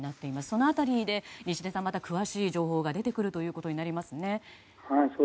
その辺りで西出さんまた詳しい情報が出てくるということになりますよね。